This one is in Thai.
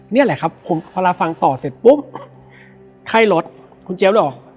นี่แหละครับพอเราฟังต่อเสร็จปุ๊บไข้รถคุณเจี๊ยบเหรอ